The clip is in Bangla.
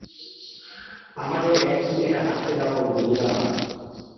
আমাদের একটু একা থাকতে দাও, বন্ধুরা।